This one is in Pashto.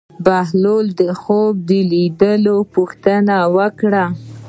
بهلول د خوب لیدونکي نه پوښتنه وکړه.